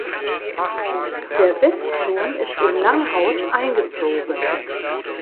Der Westturm ist im Langhaus eingezogen.